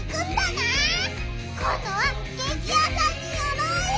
今どはケーキ屋さんによろうよ！